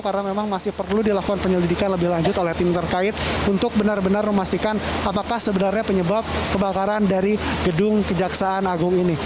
karena memang masih perlu dilakukan penyelidikan lebih lanjut oleh tim terkait untuk benar benar memastikan apakah sebenarnya penyebab kebakaran dari gedung kejaksaan agung ini